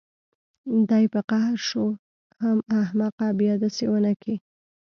دى په قهر شو حم احمقه بيا دسې ونکې.